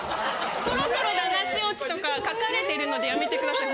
そろそろだな塩地とか書かれてるのでやめてください。